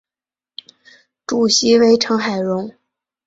主席为成海荣。